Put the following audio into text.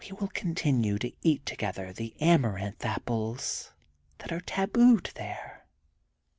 We will continue to eat together the Amaranth Apples that are tabooed there.